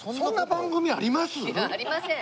ありません。